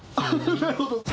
なるほど。